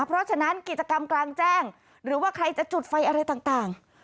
เพราะฉะนั้นกิจกรรมกลางแจ้งหรือว่าใครจะจุดไฟอะไรต่าง